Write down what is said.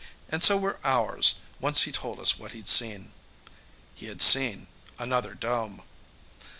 And so were ours, once he told us what he'd seen. He had seen another dome.